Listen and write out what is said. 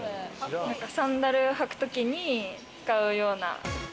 サンダル履くときに使うような。